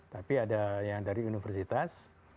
tapi ada yang dari universitas